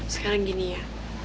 sekarang gini ya